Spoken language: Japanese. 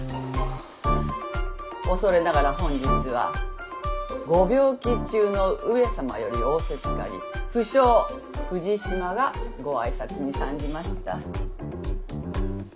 恐れながら本日はご病気中の上様より仰せつかり不肖富士島がご挨拶に参じました。